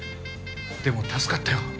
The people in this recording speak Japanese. でも助かったよ。